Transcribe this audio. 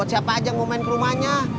buat siapa aja mau main ke rumahnya